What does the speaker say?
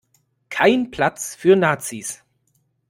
Kein Platz für Nazis.